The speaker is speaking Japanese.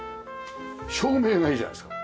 照明がいいじゃないですか。